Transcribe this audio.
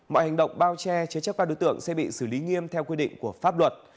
mọi hành động bao che chế chấp các đối tượng sẽ bị xử lý nghiêm theo quy định của pháp luật